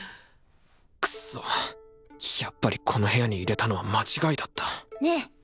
クソやっぱりこの部屋に入れたのは間違いだったねえ。